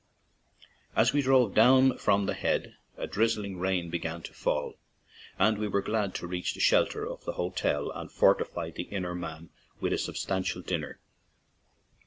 As we drove down from the head, a drizzling rain began to fall and we were glad to reach the shelter of the hotel and fortify the inner man by a substantial dinner.